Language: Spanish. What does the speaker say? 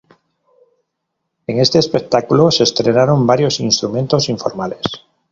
En este espectáculo se estrenaron varios instrumentos informales.